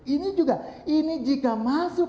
ini juga ini jika masuk